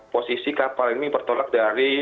posisi kapal ini bertolak dari